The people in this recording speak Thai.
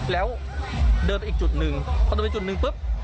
แล้วเดินไปอีกจุดหนึ่งพอเดินไปจุดหนึ่งปุ๊บ